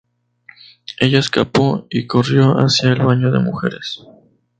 Ella escapó y corrió hacia el baño de mujeres.